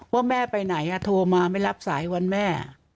ว่าแม่ไปไหนโทรมาไม่รับสายวันแม่